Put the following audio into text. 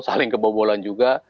saling kebobolan juga